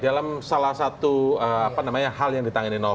dalam salah satu hal yang ditangani